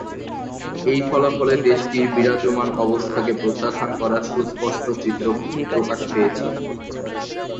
এই ফলাফলে দেশটির বিরাজমান অবস্থাকে প্রত্যাখ্যান করার সুস্পষ্ট চিত্র প্রকাশ পেয়েছ।